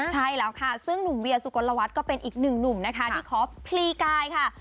ใช่แล้วค่ะซึ่งหนุ่มเวียสุกลวัฒน์ก็เป็นอีกหนึ่งหนุ่มนะคะที่ขอพลีกายค่ะ